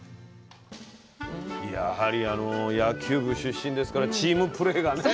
やはりあの野球部出身ですからチームプレーがね。